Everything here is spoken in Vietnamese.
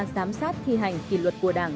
giám sát thi hành kỳ luật của đảng